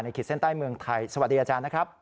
ขีดเส้นใต้เมืองไทยสวัสดีอาจารย์นะครับ